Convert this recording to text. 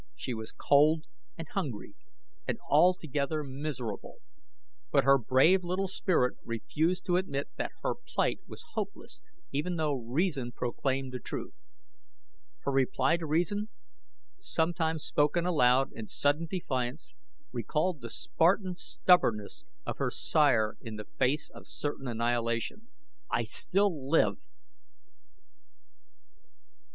She was cold and hungry and altogether miserable, but her brave little spirit refused to admit that her plight was hopeless even though reason proclaimed the truth. Her reply to reason, sometime spoken aloud in sudden defiance, recalled the Spartan stubbornness of her sire in the face of certain annihilation: "I still live!"